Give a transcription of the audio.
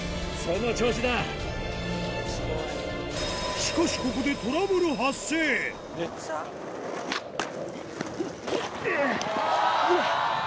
しかしここでうっ！